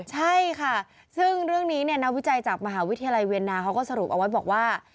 ใช่ค่ะซึ่งเรื่องนี้เนี่ยนักวิจัยจากมหาวิทยาลัยเวียนนาเขาก็สรุปเอาไว้บอกว่า